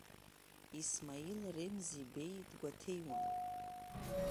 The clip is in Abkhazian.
Исмаил Ремзи Беи дгәаҭеиуан…